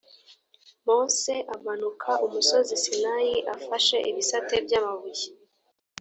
mose amanuka umusozi sinayi afashe ibisate by’amabuye